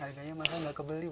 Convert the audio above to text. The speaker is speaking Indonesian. harganya mahal gak kebeli bu